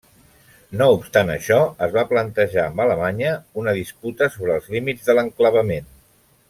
No obstant això, es va plantejar amb Alemanya una disputa sobre els límits de l'enclavament.